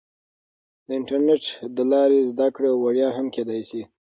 د انټرنیټ له لارې زده کړه وړیا هم کیدای سي.